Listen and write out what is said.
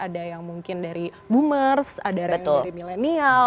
ada yang mungkin dari boomers ada yang dari milenial